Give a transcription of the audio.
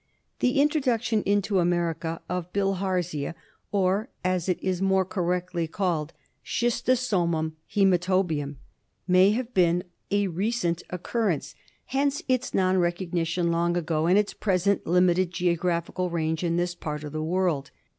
The introduction into America of Bilharzia, or, as it is more correctly called, Schistosomum hcBmatobium, may BILHARZIOSIS. 5 1 have been a recent occurrence; hence its non recogni tion long ago and its present limited geographical range in this part of the world.